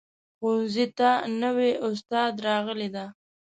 ښوونځي ته نوي استاد راغلی ده